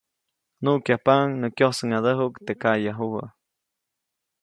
Nuʼkyajpaʼuŋ nä kyosäʼŋadäjuʼk teʼ kaʼyajubä.